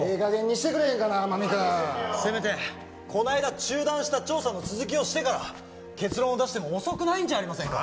してくれへんかな天海君せめてこないだ中断した調査の続きをしてから結論を出しても遅くないんじゃありませんか？